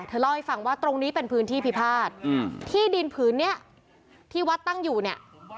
เล่าให้ฟังว่าตรงนี้เป็นพื้นที่พิพาทที่ดินผืนเนี้ยที่วัดตั้งอยู่เนี่ย